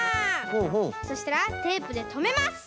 そしたらテープでとめます。